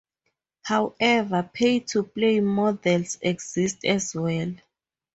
However, pay-to-play models exist as well.